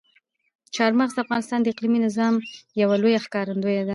چار مغز د افغانستان د اقلیمي نظام یوه لویه ښکارندوی ده.